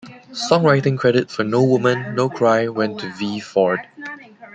Songwriting credit for "No Woman, No Cry" went to "V. Ford".